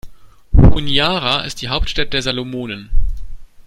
Honiara ist die Hauptstadt der Salomonen.